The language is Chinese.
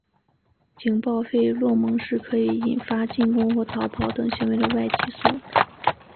警报费洛蒙是可以引发进攻或逃跑等行为的外激素。